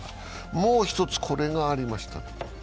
もう１つ、これがありました。